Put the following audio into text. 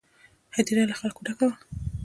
هدیره له خلکو ډکه وه.